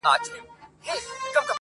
زه مي د ژوند كـتـاب تــه اور اچــــــوم.